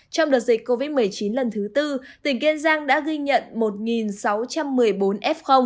trong đợt dịch covid một mươi chín lần thứ tư tỉnh kiên giang đã ghi nhận một sáu trăm một mươi bốn f